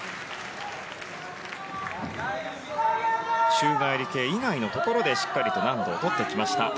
宙返り系以外のところでしっかり難度を取ってきました。